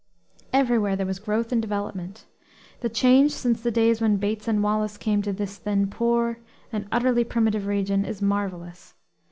Everywhere there was growth and development. The change since the days when Bates and Wallace came to this then poor and utterly primitive region is marvellous.